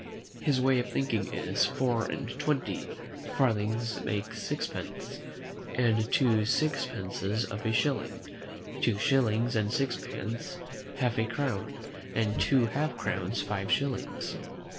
His way of thinking is, four and twenty farthings make sixpence, and two sixpences a shilling; two shillings and sixpence half a crown, and two half crowns five shillings.